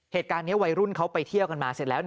เหตุการณ์นี้วัยรุ่นเขาไปเที่ยวกันมาเสร็จแล้ว